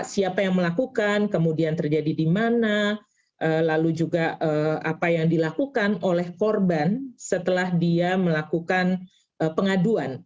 siapa yang melakukan kemudian terjadi di mana lalu juga apa yang dilakukan oleh korban setelah dia melakukan pengaduan